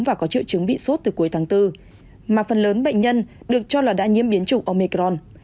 và có triệu chứng bị sốt từ cuối tháng bốn mà phần lớn bệnh nhân được cho là đã nhiễm biến chủng omecron